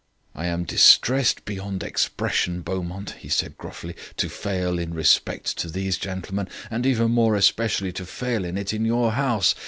"I am distressed beyond expression, Beaumont," he said gruffly, "to fail in respect to these gentlemen, and even more especially to fail in it in your house.